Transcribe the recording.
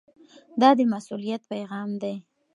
دا د مسؤلیت پیغام دی.